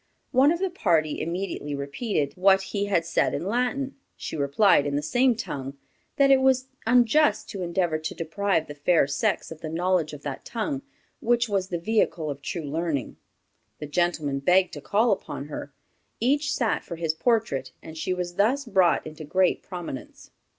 One of the party immediately repeated what he had said in Latin. She replied in the same tongue "that it was unjust to endeavor to deprive the fair sex of the knowledge of that tongue which was the vehicle of true learning." The gentlemen begged to call upon her. Each sat for his portrait, and she was thus brought into great prominence.